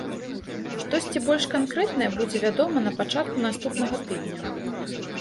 Штосьці больш канкрэтнае будзе вядома на пачатку наступнага тыдня.